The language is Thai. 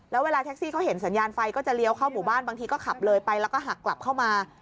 แล้วเวลาแท็กซี่เขาเห็นสัญญาณไฟก็จะเลี้ยวเข้าหมู่บ้านบางทีก็ขับเลยไปแล้วก็หักกลับเข้ามา